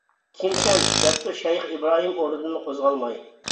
كىم سەن؟ دەپتۇ شەيخ ئىبراھىم ئورنىدىن قوزغالماي.